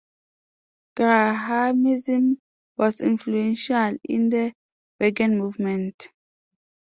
Grahamism was influential in the vegan movement.